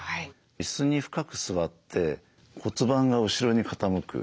椅子に深く座って骨盤が後ろに傾く。